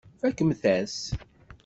Tfakemt-as-tt.